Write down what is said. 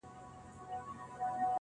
• میکده څه نن یې پیر را سره خاندي,